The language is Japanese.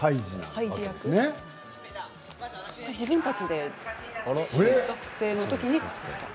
自分たちで中学生のときに作った。